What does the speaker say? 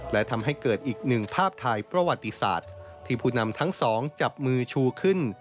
และทำให้เกิดอีกหนึ่งภาพถ่ายประวัติศาสตร์ที่ผู้นำทั้งสองจับมือชูขึ้น